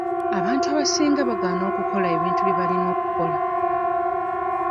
Abantu abasinga bagaana okukola ebintu bye balina okukola.